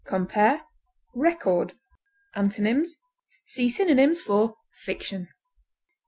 Compare RECORD. Antonyms: See synonyms for FICTION.